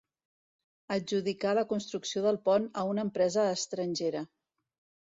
Adjudicar la construcció del pont a una empresa estrangera.